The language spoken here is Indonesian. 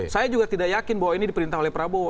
saya juga tidak yakin bahwa ini diperintah oleh prabowo